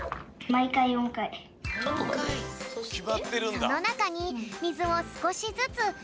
そのなかにみずをすこしずつ４かいそそいで。